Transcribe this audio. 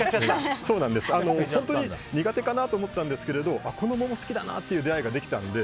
本当に苦手かなと思ったんですけどこの桃好きだなっていう出会いができたので。